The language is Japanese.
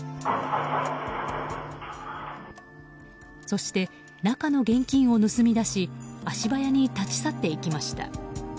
そして中の現金を盗み出し足早に立ち去っていきました。